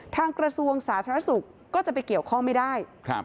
กระทรวงสาธารณสุขก็จะไปเกี่ยวข้องไม่ได้